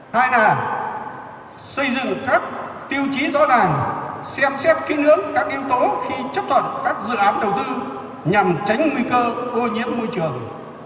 hai là xây dựng các tiêu chí rõ ràng xem xét kỹ lưỡng các yếu tố khi chấp thuận các dự án đầu tư nhằm tránh nguy cơ ô nhiễm môi trường